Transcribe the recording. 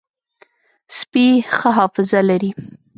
سپي ښه حافظه لري.